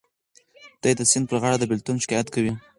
دی د سیند په غاړه د بېلتون شکایت کوي.